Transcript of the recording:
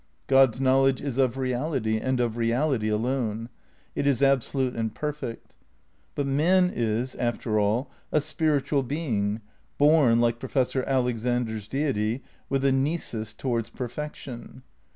God's knowledge is of reality and of reality alone. It is absolute and perfect. But man is, after all, a spiritual being, bom, like Professor Alex ander's Deity, with a nisus towards perfection.